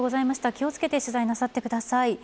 気を付けて取材なさってください。